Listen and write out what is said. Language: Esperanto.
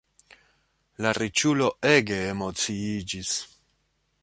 La riĉulo ege emociiĝis.